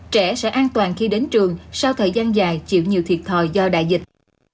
trẻ sẽ an toàn khi đến trường sau thời gian dài chịu nhiều thiệt thòi do đại dịch